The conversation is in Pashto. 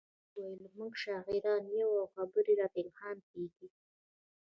ما وویل موږ شاعران یو او خبرې راته الهام کیږي